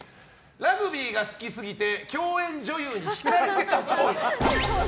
ラグビーが好きすぎて共演女優に引かれてたっぽい。